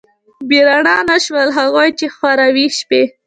بې رڼا نه شول، هغوی چې خوروي شپې